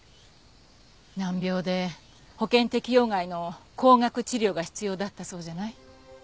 難病で保険適用外の高額治療が必要だったそうじゃない。